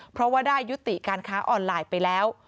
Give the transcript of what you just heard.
เพราะว่าได้ยุติการค้าออนไลน์ไปแล้ว